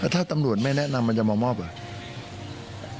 ถ้าตำรวจไม่แนะนำมันจะมามอบเหรอ